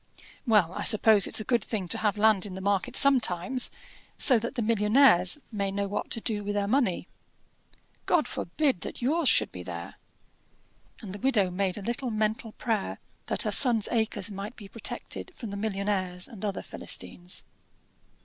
"Well, I suppose it's a good thing to have land in the market sometimes, so that the millionnaires may know what to do with their money." "God forbid that yours should be there!" And the widow made a little mental prayer that her son's acres might be protected from the millionnaires and other Philistines.